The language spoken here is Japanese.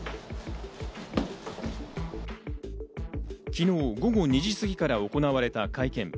昨日、午後２時過ぎから行われた会見。